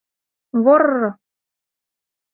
— Вор-р-р!